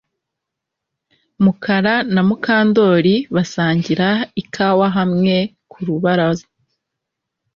Mukara na Mukandoli basangiraga ikawa hamwe ku rubaraza